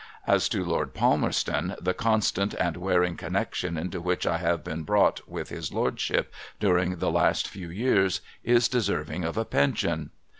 As to Lord Palmerston, the constant and w'earing connection into which I have been brought with his lordship during the last few years is deserving of a pension.